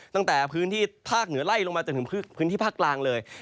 ตั้งแต่พื้นที่ภาคเหนือไล่ลงมาจนถึงพื้นที่ภาคกลางเลย